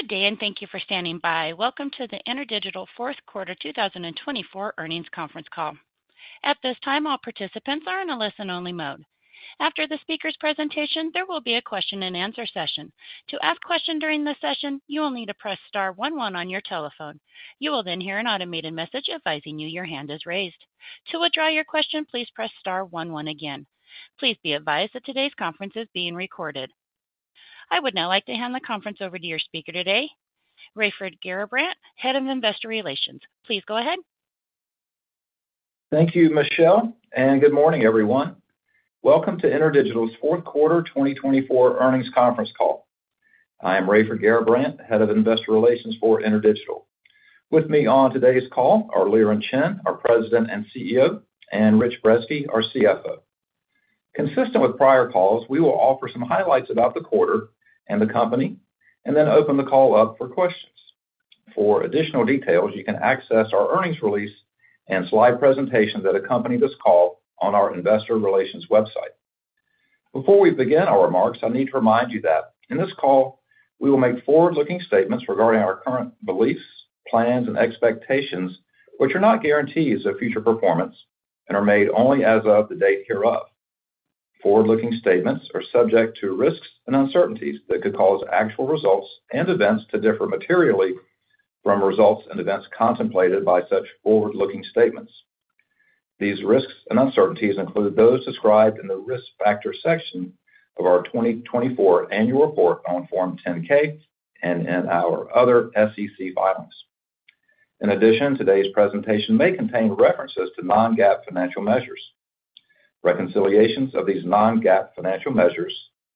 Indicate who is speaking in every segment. Speaker 1: Good day, and thank you for standing by. Welcome to the InterDigital Fourth Quarter 2024 Earnings Conference Call. At this time, all participants are in a listen-only mode. After the speaker's presentation, there will be a question-and-answer session. To ask a question during the session, you will need to press star one one on your telephone. You will then hear an automated message advising you your hand is raised. To withdraw your question, please press star one one again. Please be advised that today's conference is being recorded. I would now like to hand the conference over to your speaker today, Raiford Garrabrant, Head of Investor Relations. Please go ahead.
Speaker 2: Thank you, Michelle, and good morning, everyone. Welcome to InterDigital's Fourth Quarter 2024 Earnings Conference Call. I am Raiford Garrabrant, Head of Investor Relations for InterDigital. With me on today's call are Liren Chen, our President and CEO, and Rich Brezski, our CFO. Consistent with prior calls, we will offer some highlights about the quarter and the company, and then open the call up for questions. For additional details, you can access our earnings release and slide presentation that accompany this call on our Investor Relations website. Before we begin our remarks, I need to remind you that in this call, we will make forward-looking statements regarding our current beliefs, plans, and expectations, which are not guarantees of future performance and are made only as of the date hereof. Forward-looking statements are subject to risks and uncertainties that could cause actual results and events to differ materially from results and events contemplated by such forward-looking statements. These risks and uncertainties include those described in the risk factor section of our 2024 Annual Report on Form 10-K and in our other SEC filings. In addition, today's presentation may contain references to non-GAAP financial measures. Reconciliations of these non-GAAP financial measures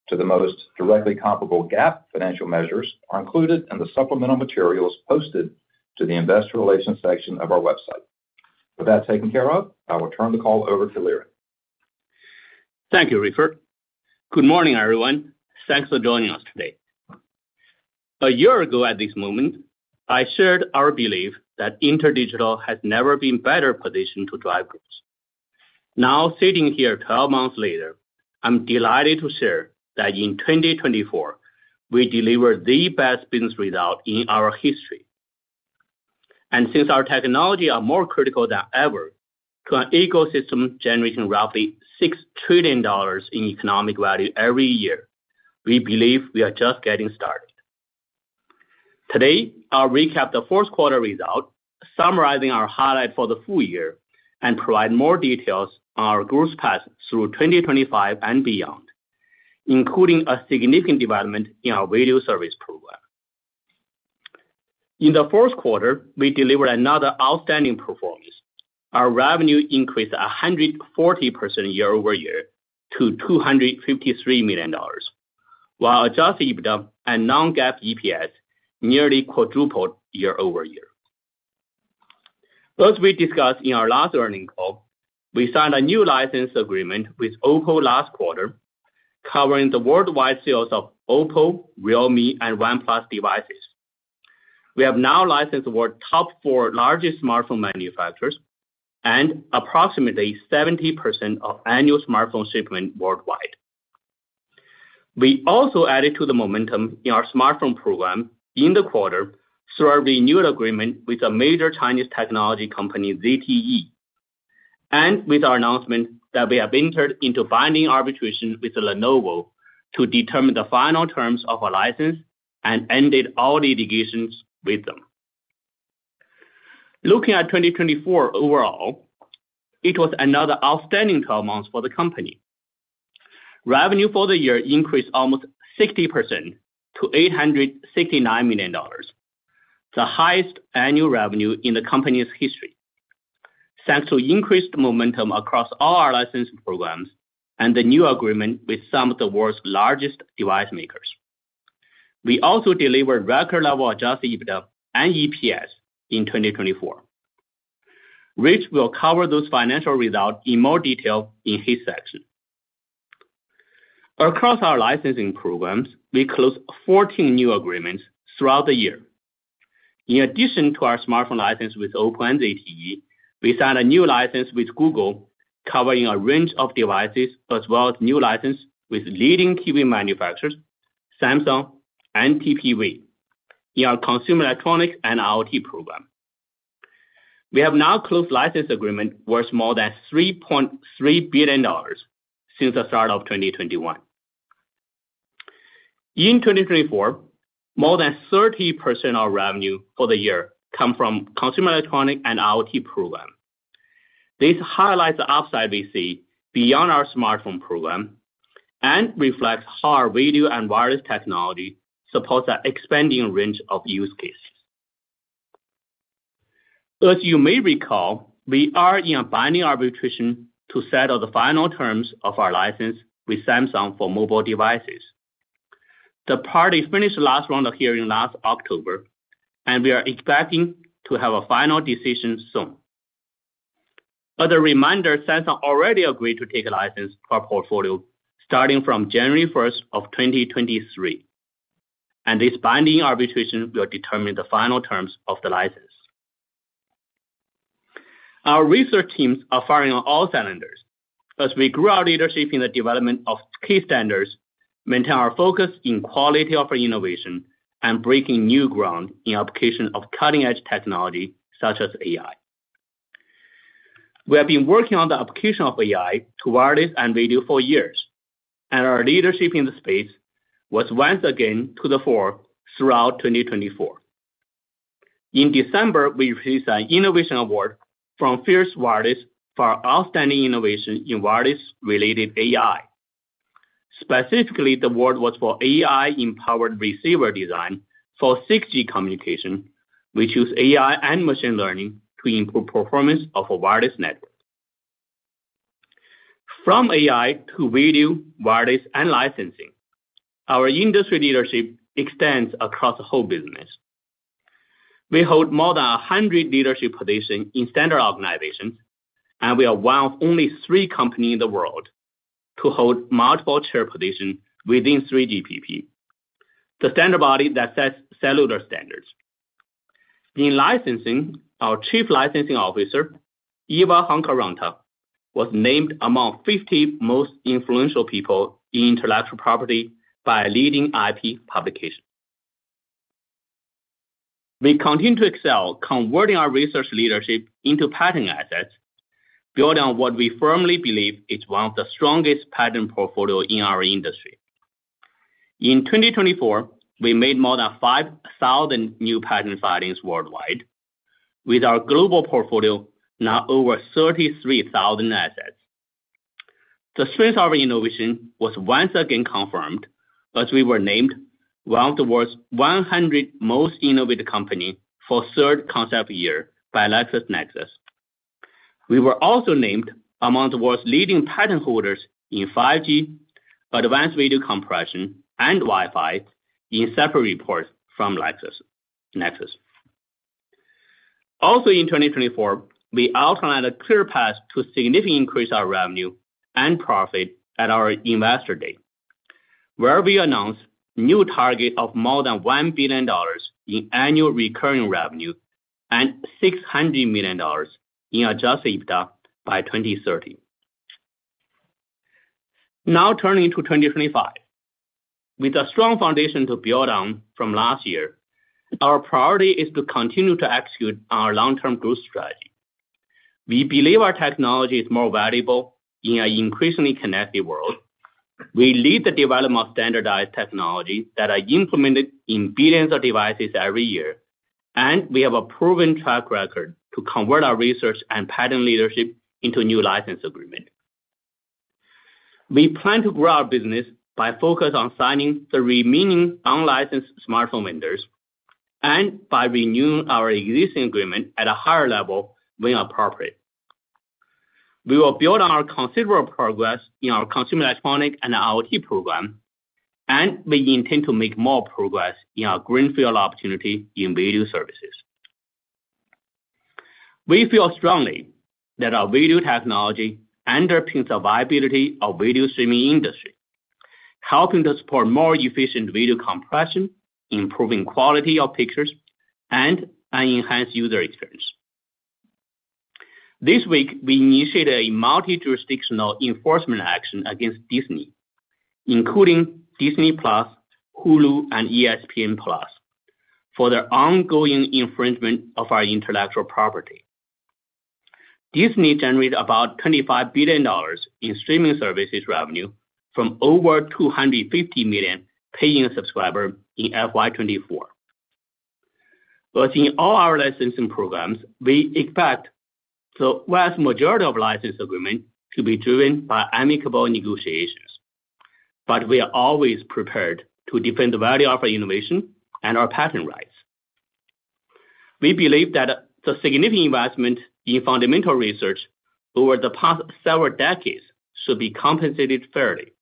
Speaker 2: to the most directly comparable GAAP financial measures are included in the supplemental materials posted to the Investor Relations section of our website. With that taken care of, I will turn the call over to Liren.
Speaker 3: Thank you, Raiford. Good morning, everyone. Thanks for joining us today. A year ago, at this moment, I shared our belief that InterDigital has never been better positioned to drive growth. Now, sitting here 12 months later, I'm delighted to share that in 2024, we delivered the best business result in our history, and since our technology is more critical than ever to an ecosystem generating roughly $6 trillion in economic value every year, we believe we are just getting started. Today, I'll recap the 4th quarter result, summarizing our highlights for the full year and provide more details on our growth path through 2025 and beyond, including a significant development in our video service program. In the 4th quarter, we delivered another outstanding performance. Our revenue increased 140% year over year to $253 million, while adjusted EBITDA and non-GAAP EPS nearly quadrupled year over year. As we discussed in our last earnings call, we signed a new license agreement with OPPO last quarter, covering the worldwide sales of OPPO, Realme, and OnePlus devices. We have now licensed the world's top four largest smartphone manufacturers and approximately 70% of annual smartphone shipment worldwide. We also added to the momentum in our smartphone program in the quarter through our renewal agreement with a major Chinese technology company, ZTE, and with our announcement that we have entered into binding arbitration with Lenovo to determine the final terms of our license and ended all litigations with them. Looking at 2024 overall, it was another outstanding 12 months for the company. Revenue for the year increased almost 60% to $869 million, the highest annual revenue in the company's history, thanks to increased momentum across all our licensing programs and the new agreement with some of the world's largest device makers. We also delivered record-level adjusted EBITDA and EPS in 2024. Rich will cover those financial results in more detail in his section. Across our licensing programs, we closed 14 new agreements throughout the year. In addition to our smartphone license with OPPO and ZTE, we signed a new license with Google, covering a range of devices, as well as a new license with leading TV manufacturers, Samsung and TPV, in our Consumer Electronics and IoT program. We have now closed license agreements worth more than $3.3 billion since the start of 2021. In 2024, more than 30% of our revenue for the year comes from Consumer Electronics and IoT program. This highlights the upside we see beyond our smartphone program and reflects how our video and wireless technology supports an expanding range of use cases. As you may recall, we are in a binding arbitration to settle the final terms of our license with Samsung for mobile devices. The parties finished the last round of hearings last October, and we are expecting to have a final decision soon. As a reminder, Samsung already agreed to take a license to our portfolio starting from January 1st of 2023, and this binding arbitration will determine the final terms of the license. Our research teams are firing on all cylinders as we grow our leadership in the development of key standards, maintain our focus on quality of our innovation, and break new ground in the application of cutting-edge technology such as AI. We have been working on the application of AI to wireless and video for years, and our leadership in the space was once again to the fore throughout 2024. In December, we received an Innovation Award from Fierce Wireless for outstanding innovation in wireless-related AI. Specifically, the award was for AI-empowered receiver design for 6G communication. We choose AI and machine learning to improve the performance of a wireless network. From AI to video, wireless, and licensing, our industry leadership extends across the whole business. We hold more than 100 leadership positions in standard organizations, and we are one of only three companies in the world to hold multiple chair positions within 3GPP, the standard body that sets cellular standards. In licensing, our Chief Licensing Officer, Eeva Hakoranta, was named among 50 most influential people in intellectual property by a leading IP publication. We continue to excel, converting our research leadership into patent assets, building on what we firmly believe is one of the strongest patent portfolios in our industry. In 2024, we made more than 5,000 new patent filings worldwide, with our global portfolio now over 33,000 assets. The strength of our innovation was once again confirmed as we were named one of the world's 100 most innovative companies for third consecutive year by LexisNexis. We were also named among the world's leading patent holders in 5G, advanced video compression, and Wi-Fi in separate reports from LexisNexis. Also, in 2024, we outlined a clear path to significantly increase our revenue and profit at our Investor Day, where we announced new targets of more than $1 billion in annual recurring revenue and $600 million in adjusted EBITDA by 2030. Now turning to 2025, with a strong foundation to build on from last year, our priority is to continue to execute our long-term growth strategy. We believe our technology is more valuable in an increasingly connected world. We lead the development of standardized technology that is implemented in billions of devices every year, and we have a proven track record to convert our research and patent leadership into new license agreements. We plan to grow our business by focusing on signing the remaining unlicensed smartphone vendors and by renewing our existing agreement at a higher level when appropriate. We will build on our considerable progress in our consumer electronics and IoT program, and we intend to make more progress in our greenfield opportunity in video services. We feel strongly that our video technology underpins the viability of the video streaming industry, helping to support more efficient video compression, improving the quality of pictures, and enhancing the user experience. This week, we initiated a multi-jurisdictional enforcement action against Disney, including Disney+, Hulu, and ESPN+, for their ongoing infringement of our intellectual property. Disney generated about $25 billion in streaming services revenue from over 250 million paying subscribers in FY24. As in all our licensing programs, we expect the vast majority of license agreements to be driven by amicable negotiations, but we are always prepared to defend the value of our innovation and our patent rights. We believe that the significant investment in fundamental research over the past several decades should be compensated fairly,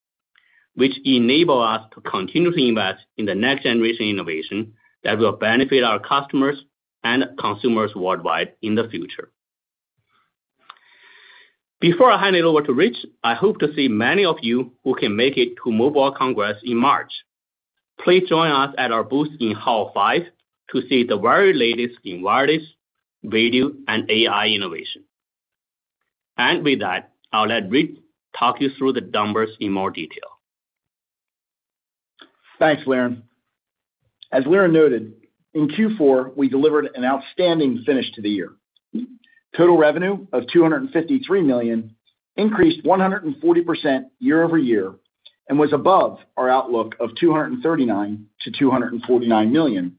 Speaker 3: which enables us to continue to invest in the next-generation innovation that will benefit our customers and consumers worldwide in the future. Before I hand it over to Rich, I hope to see many of you who can make it to the Mobile World Congress in March. Please join us at our booth in Hall 5 to see the very latest in wireless, video, and AI innovation. With that, I'll let Rich talk you through the numbers in more detail.
Speaker 4: Thanks, Liren. As Liren noted, in Q4, we delivered an outstanding finish to the year. Total revenue of $253 million increased 140% year over year and was above our outlook of $239-$249 million,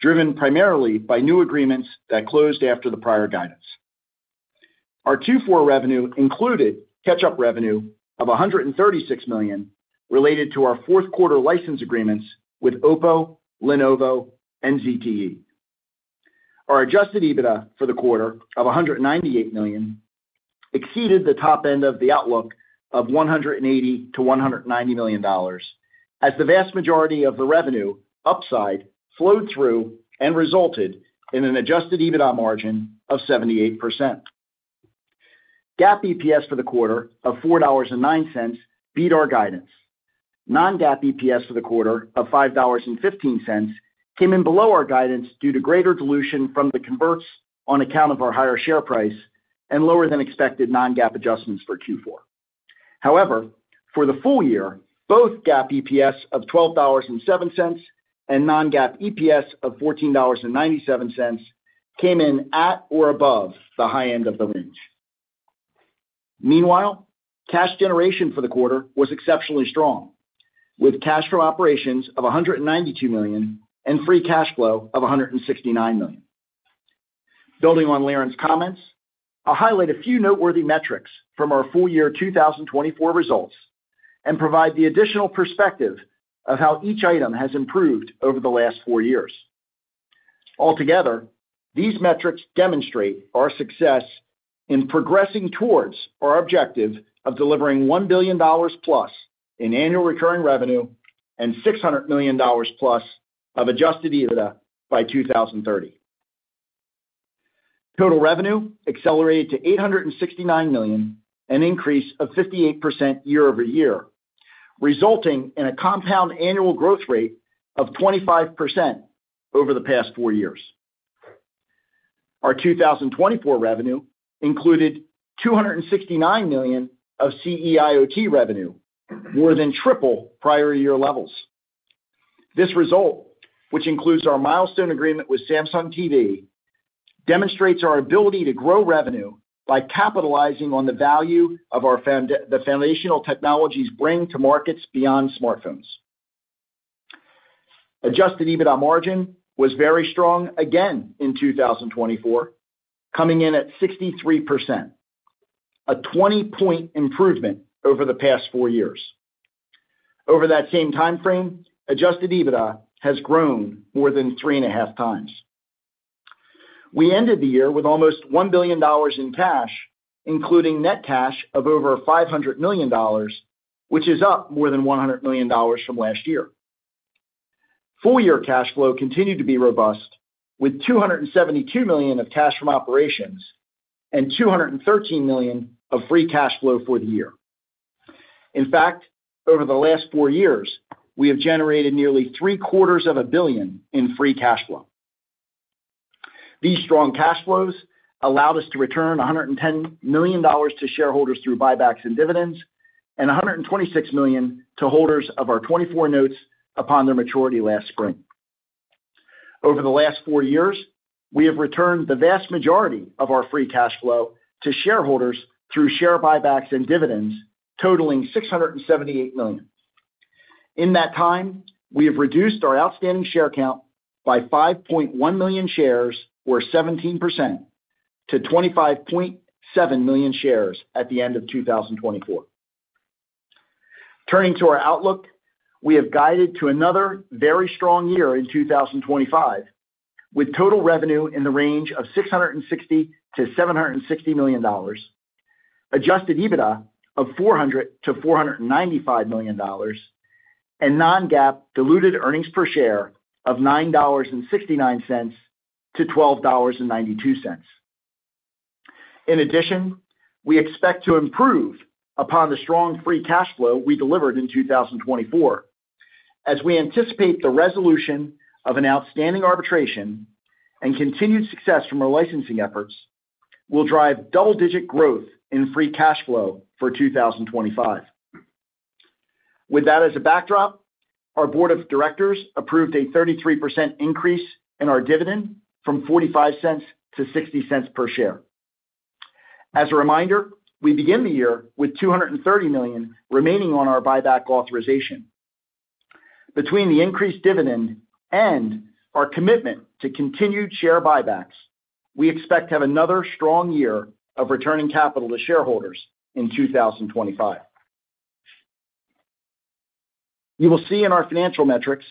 Speaker 4: driven primarily by new agreements that closed after the prior guidance. Our Q4 revenue included catch-up revenue of $136 million related to our 4th quarter license agreements with OPPO, Lenovo, and ZTE. Our adjusted EBITDA for the quarter of $198 million exceeded the top end of the outlook of $180-$190 million, as the vast majority of the revenue upside flowed through and resulted in an adjusted EBITDA margin of 78%. GAAP EPS for the quarter of $4.09 beat our guidance. Non-GAAP EPS for the quarter of $5.15 came in below our guidance due to greater dilution from the converts on account of our higher share price and lower-than-expected non-GAAP adjustments for Q4. However, for the full year, both GAAP EPS of $12.07 and non-GAAP EPS of $14.97 came in at or above the high end of the range. Meanwhile, cash generation for the quarter was exceptionally strong, with cash flow from operations of $192 million and free cash flow of $169 million. Building on Liren's comments, I'll highlight a few noteworthy metrics from our full year 2024 results and provide the additional perspective of how each item has improved over the last four years. Altogether, these metrics demonstrate our success in progressing towards our objective of delivering $1 billion plus in annual recurring revenue and $600 million plus of adjusted EBITDA by 2030. Total revenue accelerated to $869 million, an increase of 58% year over year, resulting in a compound annual growth rate of 25% over the past four years. Our 2024 revenue included $269 million of CE IoT revenue, more than triple prior year levels. This result, which includes our milestone agreement with Samsung TV, demonstrates our ability to grow revenue by capitalizing on the value that foundational technologies bring to markets beyond smartphones. Adjusted EBITDA margin was very strong again in 2024, coming in at 63%, a 20-point improvement over the past four years. Over that same time frame, adjusted EBITDA has grown more than three and a half times. We ended the year with almost $1 billion in cash, including net cash of over $500 million, which is up more than $100 million from last year. Full year cash flow continued to be robust, with $272 million of cash from operations and $213 million of free cash flow for the year. In fact, over the last four years, we have generated nearly three-quarters of a billion in free cash flow. These strong cash flows allowed us to return $110 million to shareholders through buybacks and dividends and $126 million to holders of our 2024 notes upon their maturity last spring. Over the last four years, we have returned the vast majority of our free cash flow to shareholders through share buybacks and dividends, totaling $678 million. In that time, we have reduced our outstanding share count by 5.1 million shares, or 17%, to 25.7 million shares at the end of 2024. Turning to our outlook, we have guided to another very strong year in 2025, with total revenue in the range of $660-$760 million, adjusted EBITDA of $400-$495 million, and non-GAAP diluted earnings per share of $9.69-$12.92. In addition, we expect to improve upon the strong free cash flow we delivered in 2024. As we anticipate the resolution of an outstanding arbitration and continued success from our licensing efforts, we'll drive double-digit growth in free cash flow for 2025. With that as a backdrop, our board of directors approved a 33% increase in our dividend from $0.45 to $0.60 per share. As a reminder, we begin the year with $230 million remaining on our buyback authorization. Between the increased dividend and our commitment to continued share buybacks, we expect to have another strong year of returning capital to shareholders in 2025. You will see in our financial metrics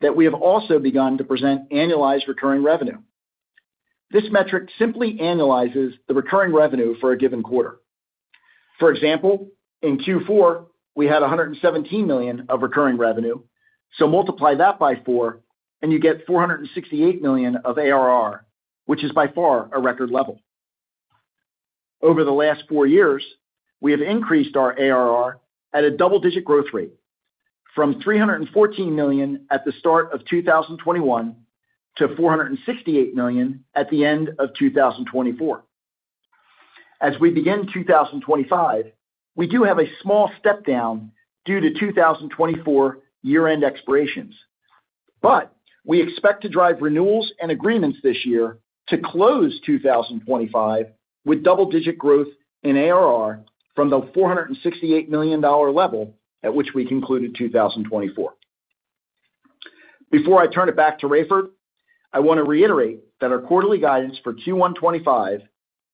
Speaker 4: that we have also begun to present annualized recurring revenue. This metric simply annualizes the recurring revenue for a given quarter. For example, in Q4, we had $117 million of recurring revenue, so multiply that by four, and you get $468 million of ARR, which is by far a record level. Over the last four years, we have increased our ARR at a double-digit growth rate, from $314 million at the start of 2021 to $468 million at the end of 2024. As we begin 2025, we do have a small step down due to 2024 year-end expirations, but we expect to drive renewals and agreements this year to close 2025 with double-digit growth in ARR from the $468 million level at which we concluded 2024. Before I turn it back to Raiford, I want to reiterate that our quarterly guidance for Q1 2025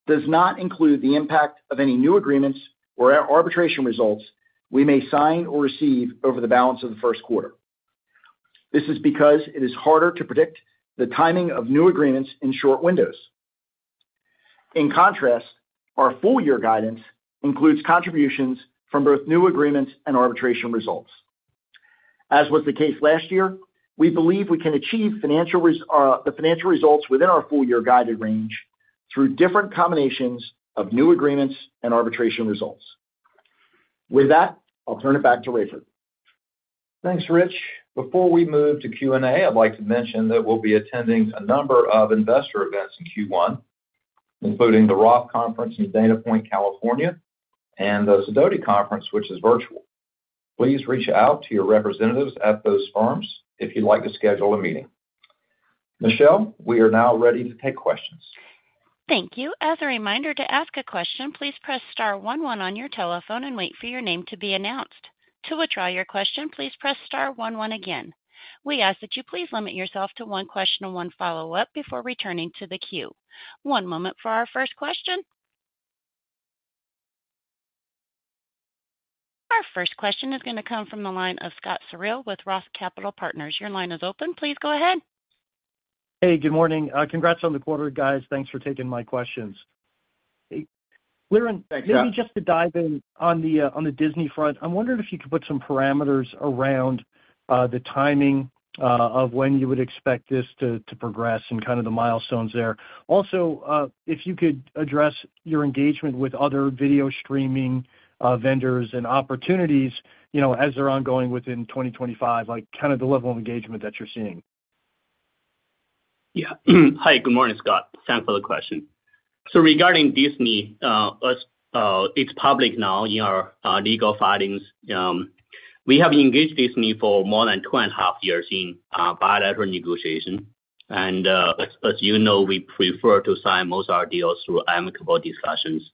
Speaker 4: does not include the impact of any new agreements or arbitration results we may sign or receive over the balance of the 1st quarter. This is because it is harder to predict the timing of new agreements in short windows. In contrast, our full year guidance includes contributions from both new agreements and arbitration results. As was the case last year, we believe we can achieve the financial results within our full year guided range through different combinations of new agreements and arbitration results. With that, I'll turn it back to Raiford.
Speaker 2: Thanks, Rich. Before we move to Q&A, I'd like to mention that we'll be attending a number of investor events in Q1, including the Roth Conference in Dana Point, California, and the Sidoti Conference, which is virtual. Please reach out to your representatives at those firms if you'd like to schedule a meeting. Michelle, we are now ready to take questions.
Speaker 1: Thank you. As a reminder to ask a question, please press star one one on your telephone and wait for your name to be announced. To withdraw your question, please press star one one again. We ask that you please limit yourself to one question and one follow-up before returning to the queue. One moment for our first question. Our first question is going to come from the line of Scott Searle with Roth Capital Partners. Your line is open. Please go ahead.
Speaker 5: Hey, good morning. Congrats on the quarter, guys. Thanks for taking my questions. Liren, maybe just to dive in on the Disney front, I'm wondering if you could put some parameters around the timing of when you would expect this to progress and kind of the milestones there. Also, if you could address your engagement with other video streaming vendors and opportunity as they're ongoing within 2025, kind of the level of engagement that you're seeing.
Speaker 3: Yeah. Hi, good morning, Scott. Thanks for the question. So regarding Disney, it's public now in our legal filings. We have engaged Disney for more than two and a half years in bilateral negotiation. And as you know, we prefer to sign most of our deals through amicable discussions.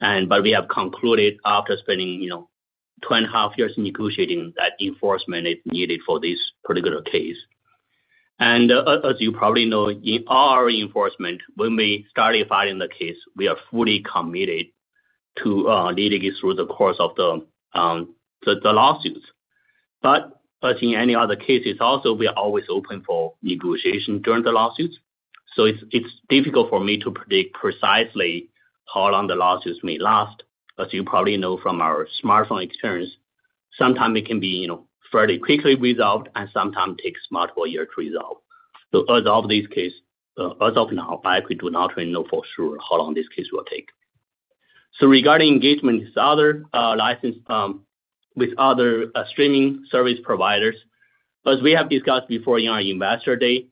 Speaker 3: But we have concluded after spending two and a half years negotiating that enforcement is needed for this particular case. And as you probably know, in our enforcement, when we started filing the case, we are fully committed to leading it through the course of the lawsuits. But as in any other cases, also, we are always open for negotiation during the lawsuits. So it's difficult for me to predict precisely how long the lawsuits may last. As you probably know from our smartphone experience, sometimes it can be fairly quickly resolved and sometimes takes multiple years to resolve. As of this case, as of now, I actually do not really know for sure how long this case will take. Regarding engagement with other streaming service providers, as we have discussed before in our investor day,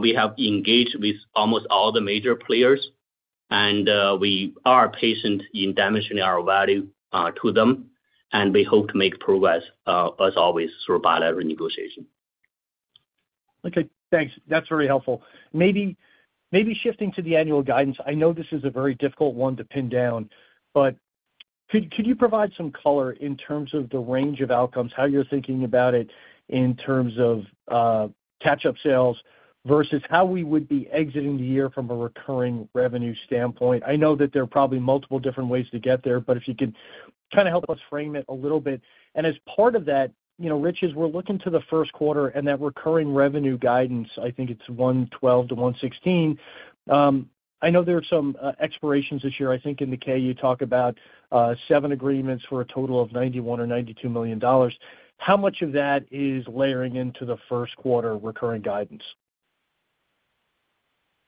Speaker 3: we have engaged with almost all the major players, and we are patient in demonstrating our value to them, and we hope to make progress, as always, through bilateral negotiation.
Speaker 5: Okay. Thanks. That's very helpful. Maybe shifting to the annual guidance, I know this is a very difficult one to pin down, but could you provide some color in terms of the range of outcomes, how you're thinking about it in terms of catch-up sales versus how we would be exiting the year from a recurring revenue standpoint? I know that there are probably multiple different ways to get there, but if you could kind of help us frame it a little bit. And as part of that, Rich, as we're looking to the 1st quarter and that recurring revenue guidance, I think it's $112 million-$116 million. I know there are some expirations this year. I think in the 10-K, you talk about seven agreements for a total of $91 million or $92 million. How much of that is layering into the 1st quarter recurring guidance?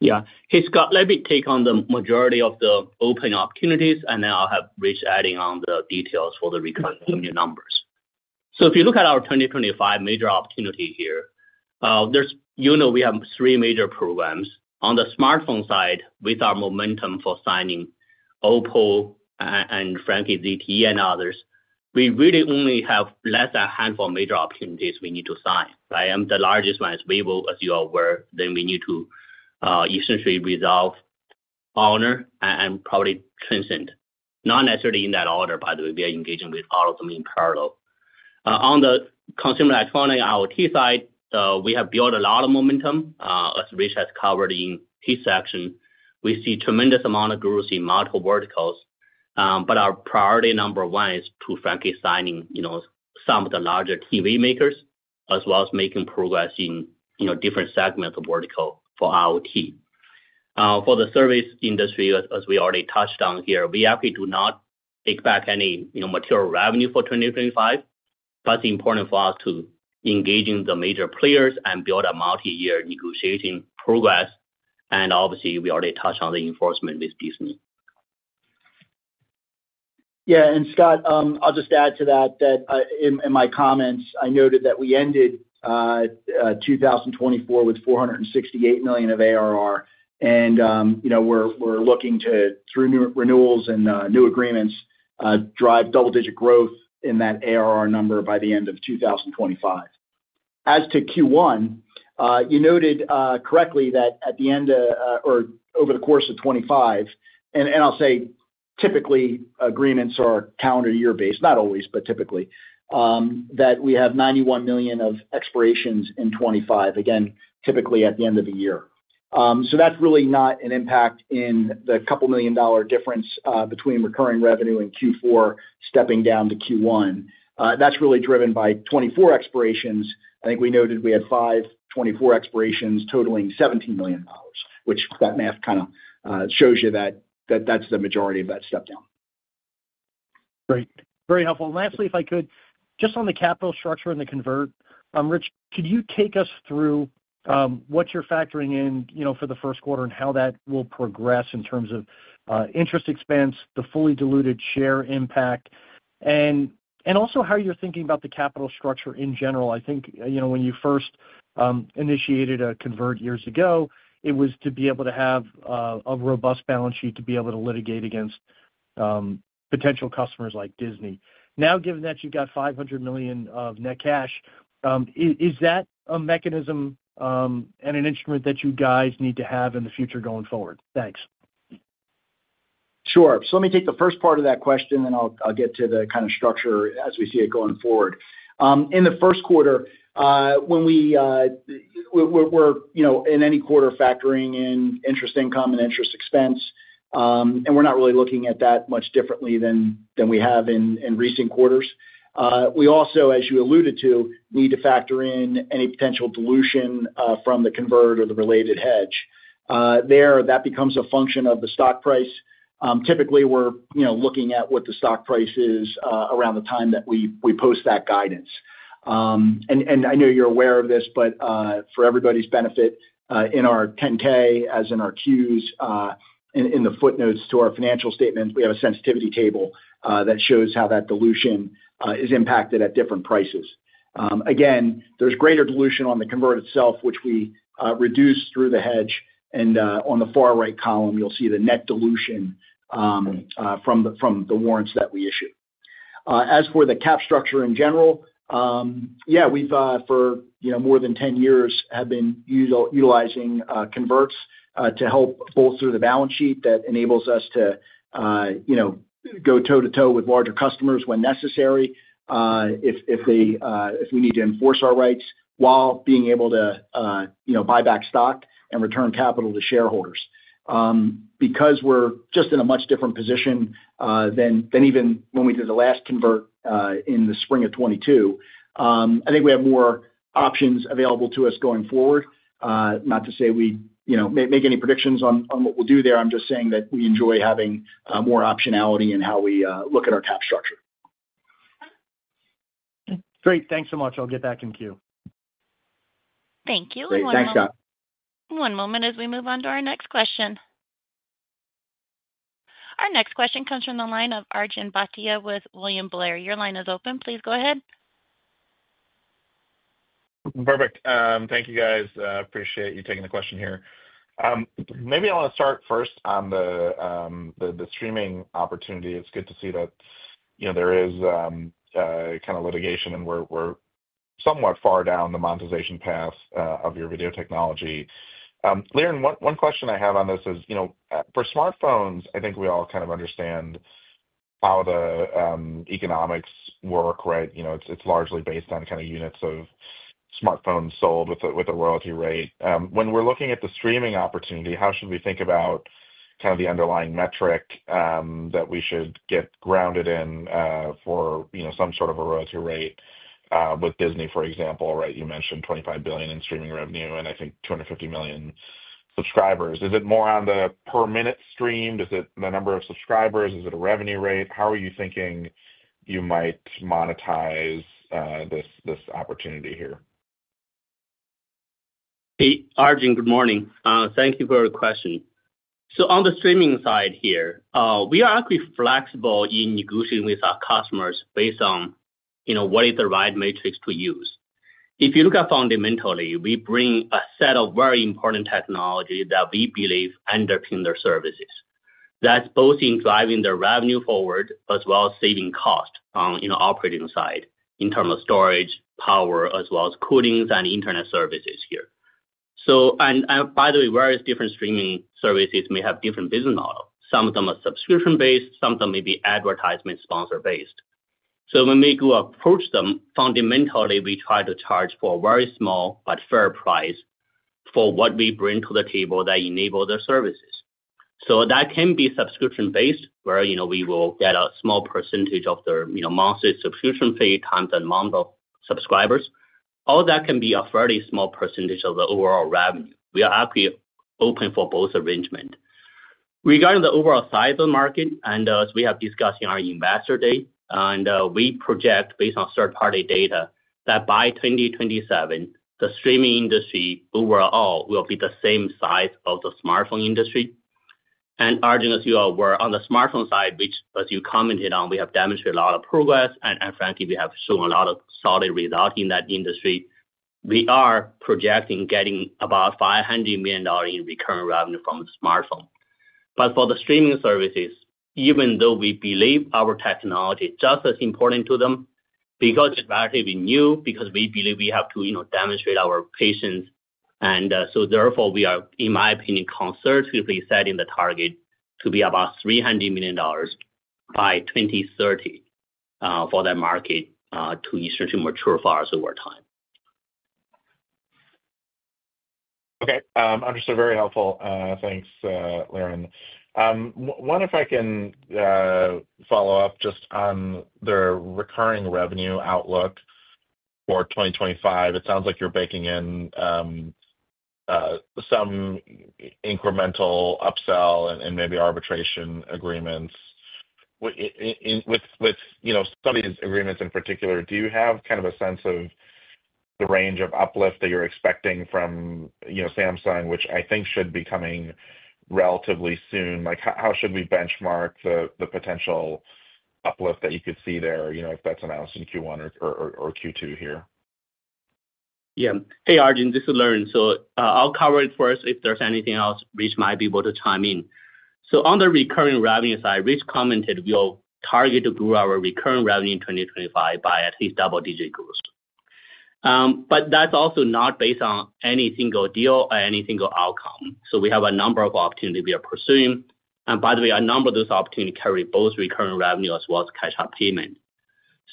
Speaker 3: Yeah. Hey, Scott, let me take on the majority of the open opportunity, and then I'll have Rich adding on the details for the recurring revenue numbers. So if you look at our 2025 major opportunity here, you know we have three major programs. On the smartphone side, with our momentum for signing OPPO and frankly, ZTE and others, we really only have less than a handful of major opportunity we need to sign. The largest one is Vivo, as you are aware. Then we need to essentially resolve Honor and probably Transsion. Not necessarily in that order, by the way. We are engaging with all of them in parallel. On the consumer electronics IoT side, we have built a lot of momentum. As Rich has covered in his section, we see a tremendous amount of growth in multiple verticals. But our priority number one is to frankly signing some of the larger TV makers, as well as making progress in different segments of vertical for IoT. For the service industry, as we already touched on here, we actually do not expect any material revenue for 2025. But it's important for us to engage in the major players and build a multi-year negotiating progress. And obviously, we already touched on the enforcement with Disney.
Speaker 4: Yeah. And Scott, I'll just add to that that in my comments, I noted that we ended 2024 with $468 million of ARR. And we're looking to, through renewals and new agreements, drive double-digit growth in that ARR number by the end of 2025. As to Q1, you noted correctly that at the end or over the course of 2025, and I'll say typically agreements are calendar year-based, not always, but typically, that we have $91 million of expirations in 2025, again, typically at the end of the year. So that's really not an impact in the couple million dollar difference between recurring revenue in Q4 stepping down to Q1. That's really driven by 2024 expirations. I think we noted we had five 2024 expirations totaling $17 million, which that math kind of shows you that that's the majority of that step down.
Speaker 5: Great. Very helpful. Lastly, if I could, just on the capital structure and the convert, Rich, could you take us through what you're factoring in for the 1st quarter and how that will progress in terms of interest expense, the fully diluted share impact, and also how you're thinking about the capital structure in general? I think when you first initiated a convert years ago, it was to be able to have a robust balance sheet to be able to litigate against potential customers like Disney. Now, given that you've got $500 million of net cash, is that a mechanism and an instrument that you guys need to have in the future going forward? Thanks.
Speaker 4: Sure. So let me take the first part of that question, and I'll get to the kind of structure as we see it going forward. In the 1st quarter or in any quarter, we're factoring in interest income and interest expense, and we're not really looking at that much differently than we have in recent quarters. We also, as you alluded to, need to factor in any potential dilution from the convert or the related hedge. There, that becomes a function of the stock price. Typically, we're looking at what the stock price is around the time that we post that guidance. And I know you're aware of this, but for everybody's benefit, in our 10-K, as in our Qs, in the footnotes to our financial statements, we have a sensitivity table that shows how that dilution is impacted at different prices. Again, there's greater dilution on the convert itself, which we reduce through the hedge. And on the far right column, you'll see the net dilution from the warrants that we issue. As for the capital structure in general, yeah, we've, for more than 10 years, been utilizing convertibles to help bolster the balance sheet that enables us to go toe-to-toe with larger customers when necessary if we need to enforce our rights while being able to buy back stock and return capital to shareholders. Because we're just in a much different position than even when we did the last convertible in the spring of 2022, I think we have more options available to us going forward. Not to say we make any predictions on what we'll do there. I'm just saying that we enjoy having more optionality in how we look at our capital structure.
Speaker 5: Great. Thanks so much. I'll get back in queue.
Speaker 1: Thank you.
Speaker 4: Thanks, Scott.
Speaker 1: One moment as we move on to our next question. Our next question comes from the line of Arjun Bhatia with William Blair. Your line is open. Please go ahead.
Speaker 6: Perfect. Thank you, guys. Appreciate you taking the question here. Maybe I'll start first on the streaming opportunity. It's good to see that there is kind of litigation, and we're somewhat far down the monetization path of your video technology. Liren, one question I have on this is, for smartphones, I think we all kind of understand how the economics work, right? It's largely based on kind of units of smartphones sold with a royalty rate. When we're looking at the streaming opportunity, how should we think about kind of the underlying metric that we should get grounded in for some sort of a royalty rate with Disney, for example, right? You mentioned $25 billion in streaming revenue and I think $250 million subscribers. Is it more on the per-minute stream? Is it the number of subscribers? Is it a revenue rate? How are you thinking you might monetize this opportunity here?
Speaker 3: Hey, Arjun, good morning. Thank you for the question. So on the streaming side here, we are actually flexible in negotiating with our customers based on what is the right metric to use. If you look at fundamentally, we bring a set of very important technologies that we believe underpin their services. That's both in driving their revenue forward as well as saving cost on the operating side in terms of storage, power, as well as cooling and internet services here. And by the way, various different streaming services may have different business models. Some of them are subscription-based. Some of them may be advertisement-sponsor-based. So when we go approach them, fundamentally, we try to charge for a very small but fair price for what we bring to the table that enables their services. So that can be subscription-based, where we will get a small percentage of their monthly subscription fee times the number of subscribers. All that can be a fairly small percentage of the overall revenue. We are actually open for both arrangements. Regarding the overall size of the market, and as we have discussed in our investor day, and we project based on third-party data that by 2027, the streaming industry overall will be the same size of the smartphone industry. And Arjun, as you are aware on the smartphone side, which, as you commented on, we have demonstrated a lot of progress, and frankly, we have shown a lot of solid results in that industry. We are projecting getting about $500 million in recurring revenue from the smartphone. But for the streaming services, even though we believe our technology is just as important to them because it's relatively new, because we believe we have to demonstrate our patience, and so therefore, we are, in my opinion, concertedly setting the target to be about $300 million by 2030 for that market to essentially mature for us over time.
Speaker 6: Okay. Understood. Very helpful. Thanks, Liren. One if I can follow up just on the recurring revenue outlook for 2025. It sounds like you're baking in some incremental upsell and maybe arbitration agreements. With some of these agreements in particular, do you have kind of a sense of the range of uplift that you're expecting from Samsung, which I think should be coming relatively soon? How should we benchmark the potential uplift that you could see there if that's announced in Q1 or Q2 here?
Speaker 3: Yeah. Hey, Arjun, this is Liren. So I'll cover it first if there's anything else Rich might be able to chime in. So on the recurring revenue side, Rich commented we'll target to grow our recurring revenue in 2025 by at least double-digit growth. But that's also not based on any single deal or any single outcome. So we have a number of opportunity we are pursuing. And by the way, a number of those opportunity carry both recurring revenue as well as catch-up payment.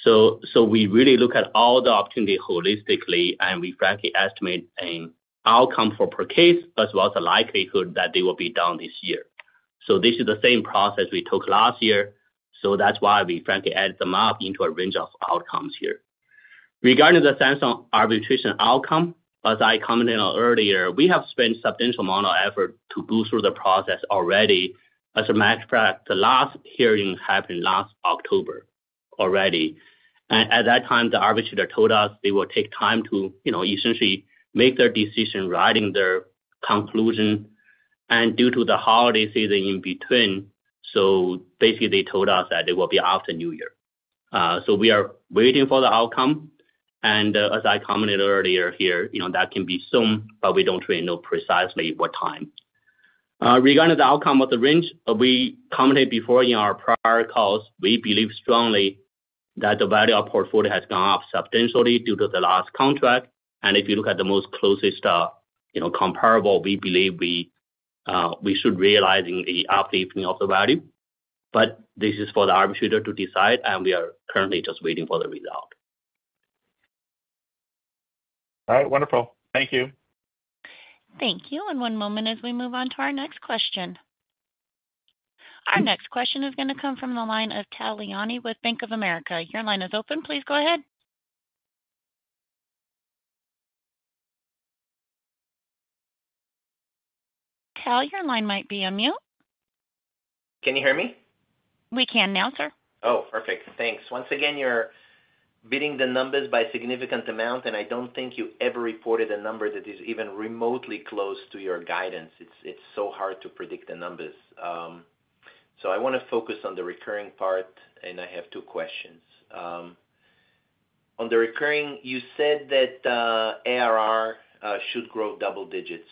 Speaker 3: So we really look at all the opportunity holistically and we frankly estimate an outcome for per case as well as the likelihood that they will be done this year. So this is the same process we took last year. So that's why we frankly add them up into a range of outcomes here. Regarding the Samsung arbitration outcome, as I commented on earlier, we have spent substantial amount of effort to go through the process already. As a matter of fact, the last hearing happened last October already, and at that time, the arbitrator told us they will take time to essentially make their decision, writing their conclusion, and due to the holiday season in between, so basically, they told us that it will be after New Year, so we are waiting for the outcome, and as I commented earlier here, that can be soon, but we don't really know precisely what time. Regarding the outcome of the range, we commented before in our prior calls, we believe strongly that the value of portfolio has gone up substantially due to the last contract, and if you look at the most closest comparable, we believe we should realize in the uplifting of the value. But this is for the arbitrator to decide, and we are currently just waiting for the result.
Speaker 6: All right. Wonderful. Thank you.
Speaker 1: Thank you, and one moment as we move on to our next question. Our next question is going to come from the line of Tal Liani with Bank of America. Your line is open. Please go ahead. Tal, your line might be on mute.
Speaker 7: Can you hear me?
Speaker 1: We can now, sir.
Speaker 7: Oh, perfect. Thanks. Once again, you're beating the numbers by a significant amount, and I don't think you ever reported a number that is even remotely close to your guidance. It's so hard to predict the numbers. So I want to focus on the recurring part, and I have two questions. On the recurring, you said that ARR should grow double digits.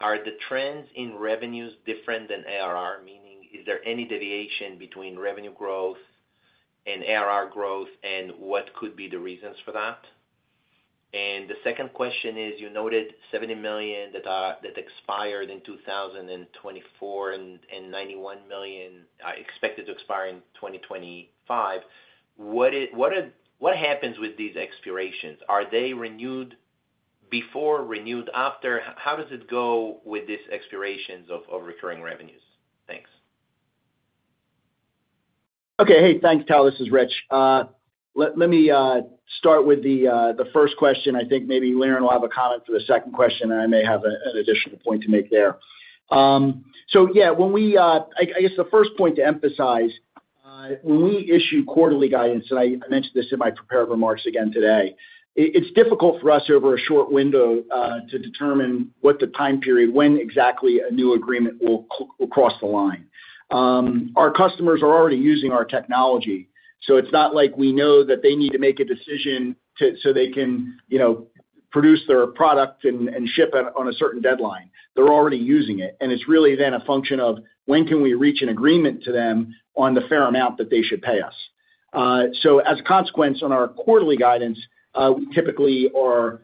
Speaker 7: Are the trends in revenues different than ARR? Meaning, is there any deviation between revenue growth and ARR growth, and what could be the reasons for that? And the second question is, you noted $70 million that expired in 2024 and $91 million expected to expire in 2025. What happens with these expirations? Are they renewed before, renewed after? How does it go with these expirations of recurring revenues? Thanks.
Speaker 4: Okay. Hey, thanks, Tal. This is Rich. Let me start with the first question. I think maybe Liren will have a comment for the second question, and I may have an additional point to make there. So yeah, I guess the first point to emphasize, when we issue quarterly guidance, and I mentioned this in my prepared remarks again today, it's difficult for us over a short window to determine what the time period when exactly a new agreement will cross the line. Our customers are already using our technology. So it's not like we know that they need to make a decision so they can produce their product and ship it on a certain deadline. They're already using it. And it's really then a function of when can we reach an agreement to them on the fair amount that they should pay us. So as a consequence, on our quarterly guidance, we typically are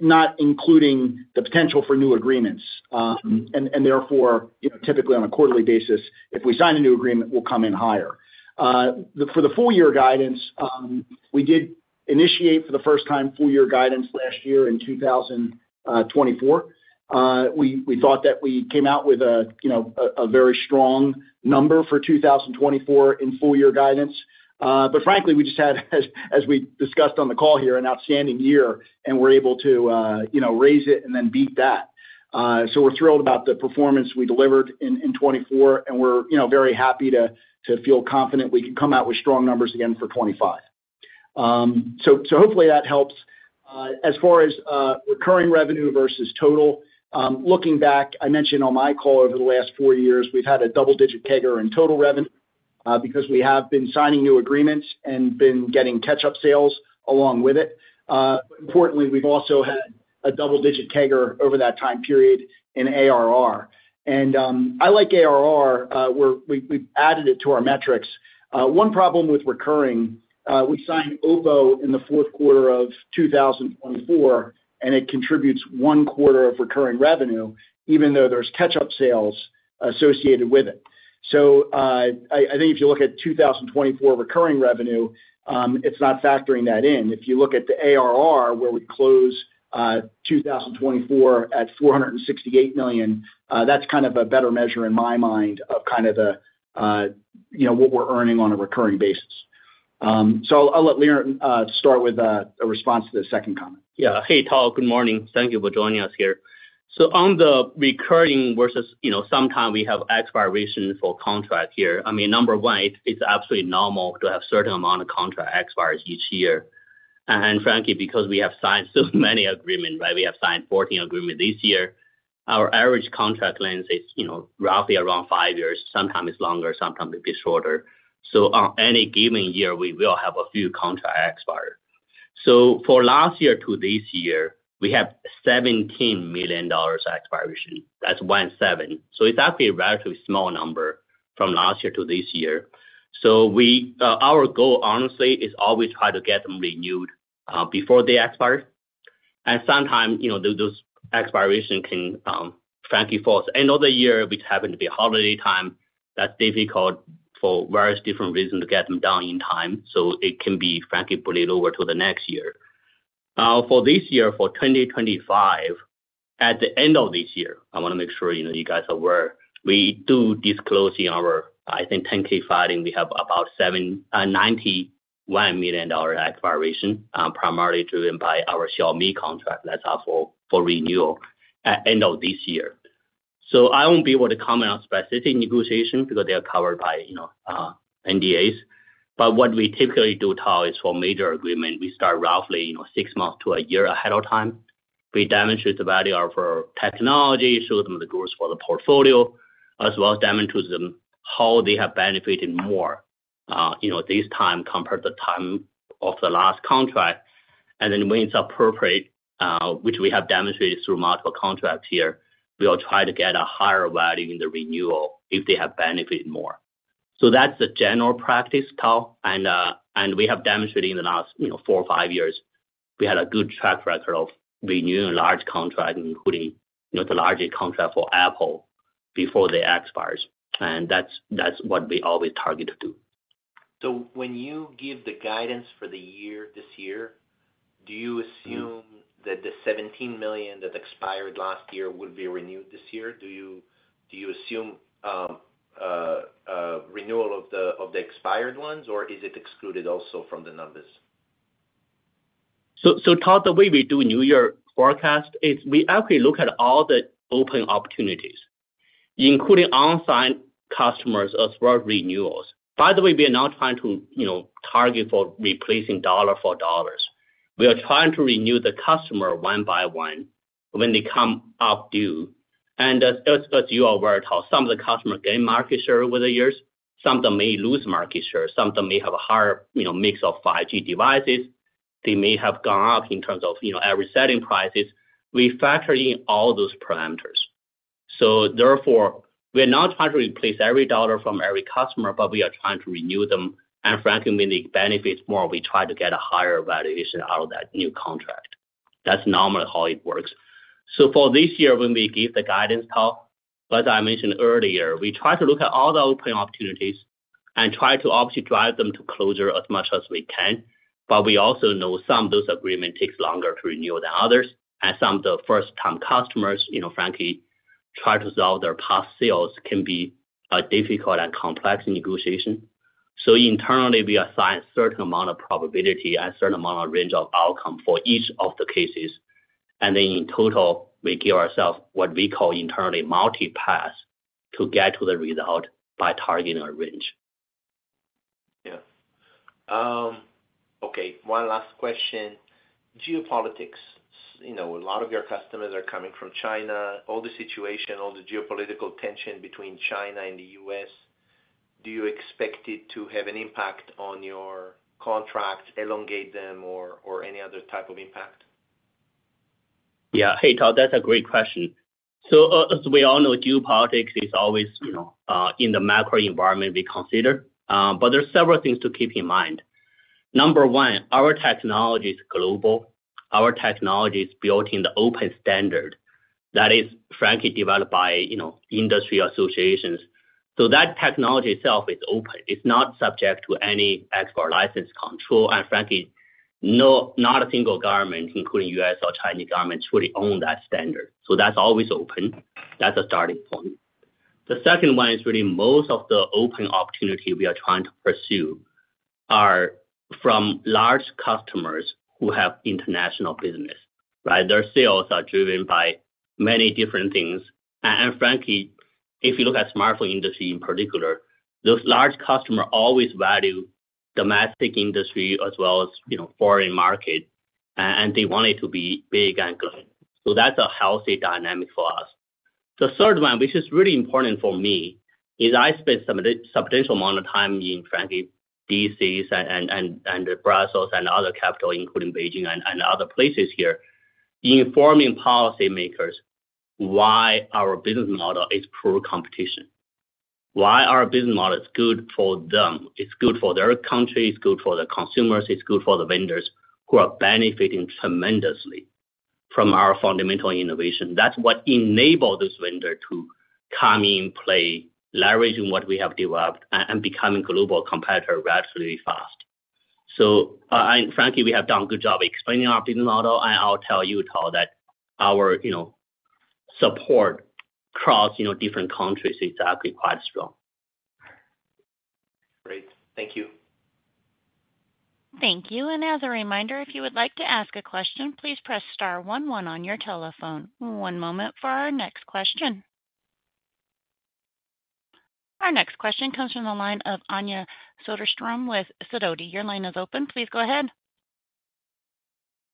Speaker 4: not including the potential for new agreements. And therefore, typically on a quarterly basis, if we sign a new agreement, we'll come in higher. For the full-year guidance, we did initiate for the first time full-year guidance last year in 2024. We thought that we came out with a very strong number for 2024 in full-year guidance. But frankly, we just had, as we discussed on the call here, an outstanding year, and we're able to raise it and then beat that. So we're thrilled about the performance we delivered in 2024, and we're very happy to feel confident we can come out with strong numbers again for 2025. So hopefully that helps. As far as recurring revenue versus total, looking back, I mentioned on my call over the last four years, we've had a double-digit CAGR in total revenue because we have been signing new agreements and been getting catch-up sales along with it, but importantly, we've also had a double-digit CAGR over that time period in ARR, and I like ARR where we've added it to our metrics. One problem with recurring, we signed OPPO in the 4th quarter of 2024, and it contributes one quarter of recurring revenue, even though there's catch-up sales associated with it. So I think if you look at 2024 recurring revenue, it's not factoring that in. If you look at the ARR where we close 2024 at $468 million, that's kind of a better measure in my mind of kind of what we're earning on a recurring basis. I'll let Liren start with a response to the second comment.
Speaker 3: Yeah. Hey, Tal. Good morning. Thank you for joining us here. So on the recurring versus sometimes we have expiration for contract here. I mean, number one, it's absolutely normal to have a certain amount of contract expires each year. And frankly, because we have signed so many agreements, right? We have signed 14 agreements this year. Our average contract length is roughly around five years. Sometimes it's longer, sometimes it'd be shorter. So on any given year, we will have a few contract expires. So for last year to this year, we have $17 million expiration. That's one seven. So it's actually a relatively small number from last year to this year. So our goal, honestly, is always try to get them renewed before they expire. And sometimes those expirations can frankly fall. End of the year, which happens to be holiday time, that's difficult for various different reasons to get them done in time. So it can be frankly pulled over to the next year. For this year, for 2025, at the end of this year, I want to make sure you guys are aware. We do disclose in our, I think, 10-K filing, we have about $91 million expiration, primarily driven by our Xiaomi contract that's up for renewal at the end of this year. So I won't be able to comment on specific negotiations because they are covered by NDAs. But what we typically do, Tal, is for major agreements, we start roughly six months to a year ahead of time. We demonstrate the value of our technology, show them the growth for the portfolio, as well as demonstrate to them how they have benefited more this time compared to the time of the last contract, and then when it's appropriate, which we have demonstrated through multiple contracts here, we'll try to get a higher value in the renewal if they have benefited more, so that's the general practice, Tal, and we have demonstrated in the last four or five years, we had a good track record of renewing large contracts, including the largest contract for Apple before they expire, and that's what we always target to do.
Speaker 7: So when you give the guidance for this year, do you assume that the $17 million that expired last year would be renewed this year? Do you assume renewal of the expired ones, or is it excluded also from the numbers?
Speaker 3: Tal, the way we do New Year forecast is we actually look at all the open opportunity, including unsigned customers as well as renewals. By the way, we are not trying to target for replacing dollar for dollars. We are trying to renew the customer one by one when they come up due. And as you are aware, Tal, some of the customers gain market share over the years. Some of them may lose market share. Some of them may have a higher mix of 5G devices. They may have gone up in terms of average selling prices. We factor in all those parameters. Therefore, we are not trying to replace every dollar from every customer, but we are trying to renew them. And frankly, when they benefit more, we try to get a higher valuation out of that new contract. That's normally how it works. So for this year, when we give the guidance, Tal, as I mentioned earlier, we try to look at all the open opportunity and try to obviously drive them to closure as much as we can. But we also know some of those agreements take longer to renew than others. And some of the first-time customers, frankly, try to solve their past sales can be a difficult and complex negotiation. So internally, we assign a certain amount of probability and a certain amount of range of outcome for each of the cases. And then in total, we give ourselves what we call internally multi-paths to get to the result by targeting a range.
Speaker 7: Yeah. Okay. One last question. Geopolitics. A lot of your customers are coming from China. All the situation, all the geopolitical tension between China and the U.S., do you expect it to have an impact on your contracts, elongate them, or any other type of impact?
Speaker 3: Yeah. Hey, Tal, that's a great question. So as we all know, geopolitics is always in the macro environment we consider. But there are several things to keep in mind. Number one, our technology is global. Our technology is built in the open standard that is frankly developed by industry associations. So that technology itself is open. It's not subject to any export license control. And frankly, not a single government, including U.S. or Chinese governments, truly own that standard. So that's always open. That's a starting point. The second one is really most of the open opportunity we are trying to pursue are from large customers who have international business, right? Their sales are driven by many different things. And frankly, if you look at smartphone industry in particular, those large customers always value domestic industry as well as foreign markets. And they want it to be big and good. So that's a healthy dynamic for us. The third one, which is really important for me, is I spent a substantial amount of time in frankly D.C. and Brussels and other capitals, including Beijing and other places here, informing policymakers why our business model is pro-competition. Why our business model is good for them. It's good for their country. It's good for the consumers. It's good for the vendors who are benefiting tremendously from our fundamental innovation. That's what enables those vendors to come into play, leveraging what we have developed and becoming global competitors relatively fast. So frankly, we have done a good job explaining our business model. And I'll tell you, Tal, that our support across different countries is actually quite strong.
Speaker 7: Great. Thank you.
Speaker 1: Thank you. And as a reminder, if you would like to ask a question, please press star one one on your telephone. One moment for our next question. Our next question comes from the line of Anja Soderstrom with Sidoti. Your line is open. Please go ahead.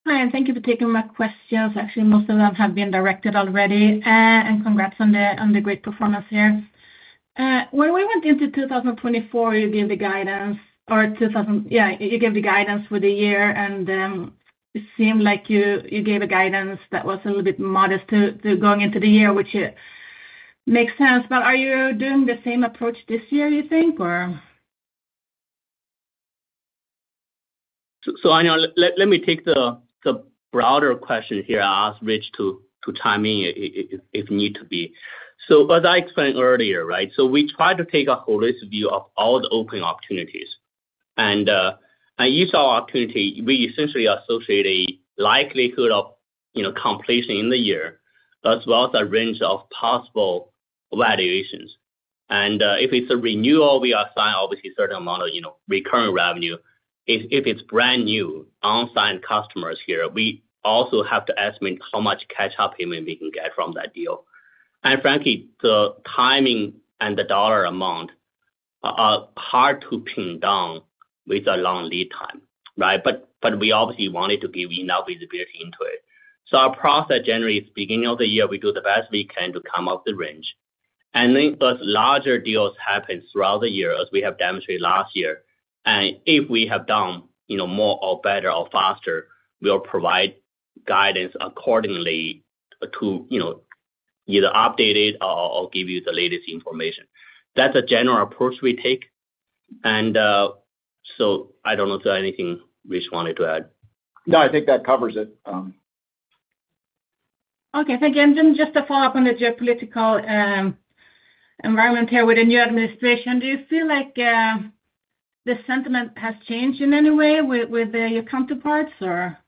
Speaker 8: Hi. And thank you for taking my questions. Actually, most of them have been directed already. And congrats on the great performance here. When we went into 2024, you gave the guidance or yeah, you gave the guidance for the year. And it seemed like you gave a guidance that was a little bit modest going into the year, which makes sense. But are you doing the same approach this year, you think, or?
Speaker 3: So Anja, let me take the broader question here. I'll ask Rich to chime in if need to be. So as I explained earlier, right, so we try to take a holistic view of all the open opportunity. And each opportunity, we essentially associate a likelihood of completion in the year as well as a range of possible valuations. And if it's a renewal, we assign obviously a certain amount of recurring revenue. If it's brand new, on-site customers here, we also have to estimate how much catch-up payment we can get from that deal. And frankly, the timing and the dollar amount are hard to pin down with a long lead time, right? But we obviously wanted to give enough visibility into it. So our process generally is beginning of the year, we do the best we can to come up the range. And then as larger deals happen throughout the year, as we have demonstrated last year, and if we have done more or better or faster, we'll provide guidance accordingly to either update it or give you the latest information. That's a general approach we take. And so I don't know if there's anything Rich wanted to add.
Speaker 4: No, I think that covers it.
Speaker 8: Okay. Thank you. And then just to follow up on the geopolitical environment here with the new administration, do you feel like the sentiment has changed in any way with your counterparts, or?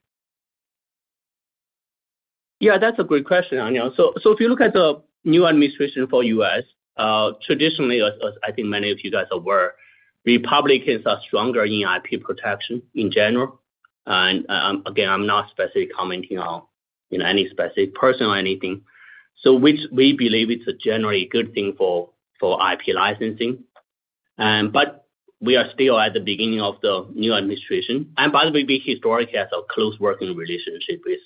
Speaker 3: Yeah, that's a great question, Anja. So if you look at the new administration for the U.S., traditionally, as I think many of you guys are aware, Republicans are stronger in IP protection in general. And again, I'm not specifically commenting on any specific person or anything. So we believe it's generally a good thing for IP licensing. But we are still at the beginning of the new administration. And by the way, we historically have a close working relationship with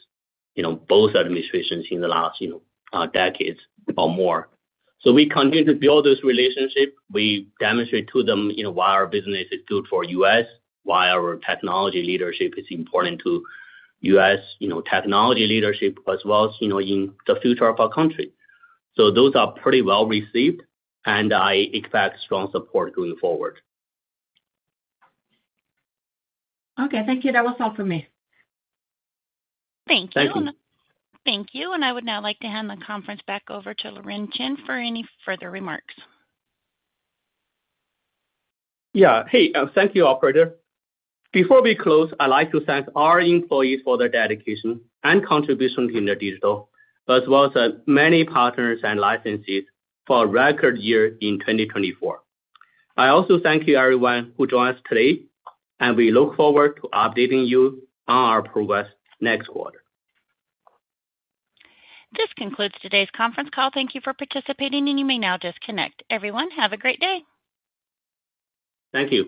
Speaker 3: both administrations in the last decades or more. So we continue to build this relationship. We demonstrate to them why our business is good for the U.S., why our technology leadership is important to U.S. technology leadership, as well as in the future of our country. So those are pretty well received. And I expect strong support going forward.
Speaker 8: Okay. Thank you. That was all for me.
Speaker 1: Thank you.
Speaker 3: Thank you.
Speaker 1: Thank you. And I would now like to hand the conference back over to Liren Chen for any further remarks.
Speaker 3: Yeah. Hey, thank you, operator. Before we close, I'd like to thank our employees for their dedication and contribution in the digital, as well as many partners and licensees for a record year in 2024. I also thank you, everyone, who joined us today, and we look forward to updating you on our progress next quarter.
Speaker 1: This concludes today's conference call. Thank you for participating. And you may now disconnect. Everyone, have a great day.
Speaker 3: Thank you.